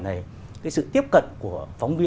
này cái sự tiếp cận của